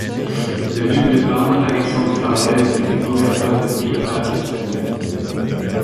Le duc de Parme Alexandre Farnèse était gouverneur des Pays-Bas espagnols.